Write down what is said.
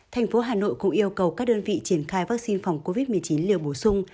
thành phố hà nội cũng yêu cầu các đơn vị triển khai vaccine phòng covid một mươi chín liều bổ sung